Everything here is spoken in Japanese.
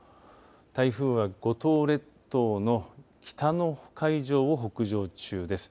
台風は、五島列島の北の海上を北上中です。